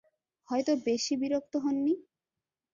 হয়ত বেশি বিরক্ত হননি।